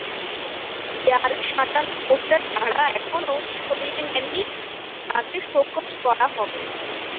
দেয়ালে সাঁটানো পোস্টার যাঁরা এখনো সরিয়ে নেননি, তাঁদের শোকজ করা হবে।